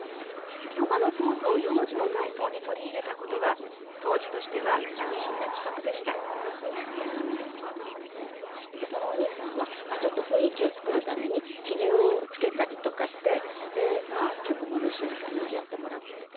ヨガのポーズを幼児の体操に取り入れたことは当時としては斬新な企画でしたそのお兄さんはちょっと雰囲気を作るためにひげをつけたりとかして結構物静かにやってもらってて。